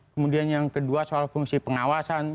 kemudian yang kedua soal fungsi pengawasan